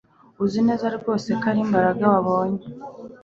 Uzi neza rwose ko ari Mbaraga wabonye